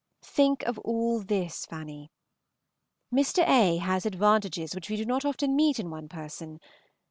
Think of all this, Fanny. Mr. A. has advantages which we do not often meet in one person.